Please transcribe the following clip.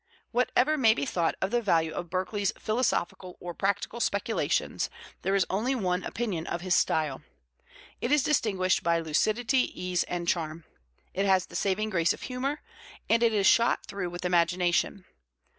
Whatever may be thought of the value of Berkeley's philosophical or practical speculations, there is only one opinion of his style. It is distinguished by lucidity, ease, and charm; it has the saving grace of humor; and it is shot through with imagination.